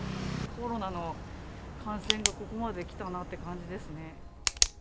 コロナの感染がここまで来たなって感じですね。